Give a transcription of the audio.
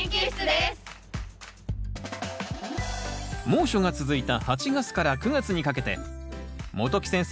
猛暑が続いた８月から９月にかけて元木先生